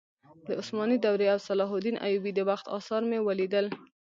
د عثماني دورې او صلاح الدین ایوبي د وخت اثار مې ولیدل.